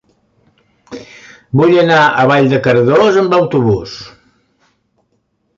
Vull anar a Vall de Cardós amb autobús.